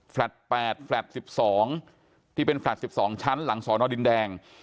๘แฟลต์๑๒ที่เป็นแฟลต์๑๒ชั้นหลังสอนอดินแดง